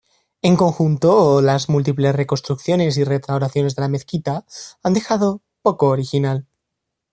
En conjunto, las múltiples reconstrucciones y restauraciones de la mezquita han dejado poco original.